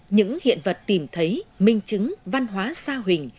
những hiện vật tìm thấy minh chứng văn hóa sa huỳnh